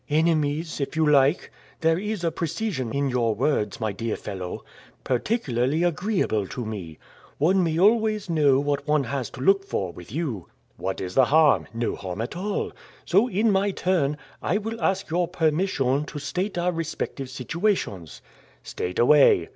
"Enemies, if you like. There is a precision in your words, my dear fellow, particularly agreeable to me. One may always know what one has to look for, with you." "What is the harm?" "No harm at all. So, in my turn, I will ask your permission to state our respective situations." "State away."